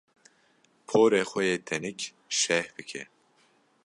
Porê xwe yê tenik şeh bike.